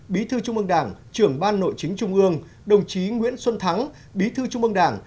bí thư trung ương đảng trưởng ban nội chính trung ương đồng chí nguyễn xuân thắng bí thư trung ương đảng